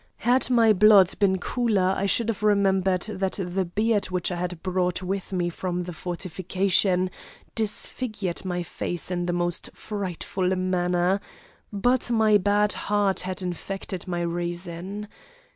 Had my blood been cooler I should have remembered that the beard, which I had brought with me from the fortification, disfigured my face in the most frightful manner, but my bad heart had infected my reason.